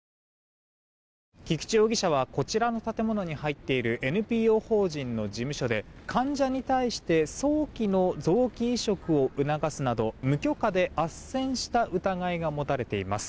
菊池容疑者はこちらの建物に入っているＮＰＯ法人の事務所で患者に対して早期の臓器移植を促すなど無許可であっせんした疑いが持たれています。